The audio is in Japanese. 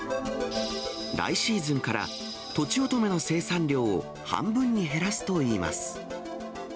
来シーズンから、とちおとめの生産量を半分に減らすといいます。